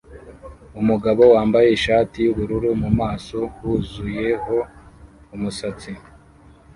Umugabo wambaye ishati yubururu mu maso huzuyeho umusatsi